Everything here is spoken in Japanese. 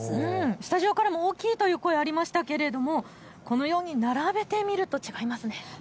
スタジオからも大きいという声ありましたけど、このように並べてみると違いますね。